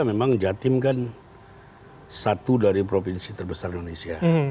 memang jatim kan satu dari provinsi terbesar indonesia